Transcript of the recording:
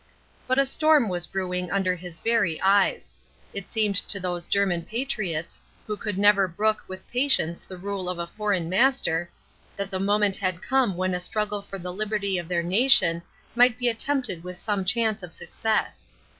But a storm was brewing under his very eyes, It seemed to those German patriots, who could never brook with patience the rule of a foreign master, that the moment had come when a struggle for the liberty of their nation might be attempted with some chance of success.